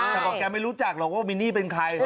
แต่บอกแกไม่รู้จักหรอกว่ามินนี่เป็นใคร